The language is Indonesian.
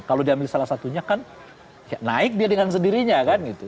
kalau diambil salah satunya kan naik dia dengan sendirinya kan gitu